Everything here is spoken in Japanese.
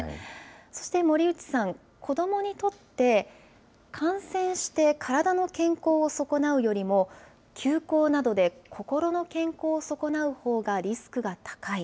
そして森内さん、子どもにとって、感染して体の健康を損なうよりも、休校などで心の健康を損なうほうがリスクが高い。